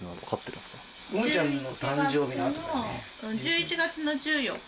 １１月の１４日。